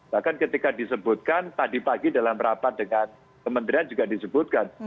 bahkan ketika disebutkan tadi pagi dalam rapat dengan kementerian juga disebutkan